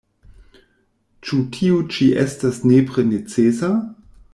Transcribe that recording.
Ĉu tio ĉi estas nepre necesa?